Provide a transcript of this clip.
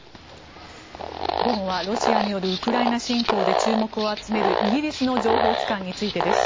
午後はロシアによるウクライナ侵攻で注目を集めるイギリスの情報機関についてです。